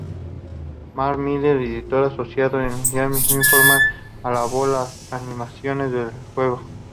Matt Miller, Editor Asociado en "Game Informer", alabó las animaciones del juego.